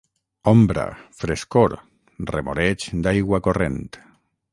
Ombra, frescor, remoreig d'aigua corrent